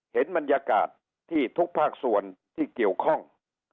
เห็นบรรยากาศที่ทุกภาคส่วนที่เกี่ยวข้อง